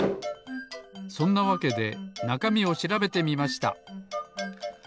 そんなわけでなかみをしらべてみました。